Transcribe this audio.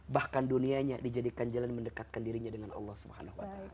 bahkan dunianya dijadikan jalan mendekatkan dirinya dengan allah swt